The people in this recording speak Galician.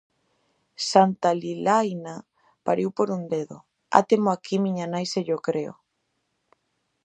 Santa Lilaina pariu por un dedo: átemo aquí miña nai se llo creo.